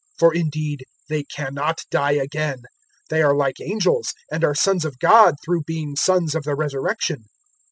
020:036 For indeed they cannot die again; they are like angels, and are sons of God through being sons of the Resurrection.